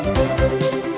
hẹn gặp lại